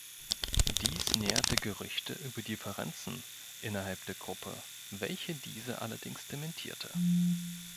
Dies nährte Gerüchte über Differenzen innerhalb der Gruppe, welche diese allerdings dementierte.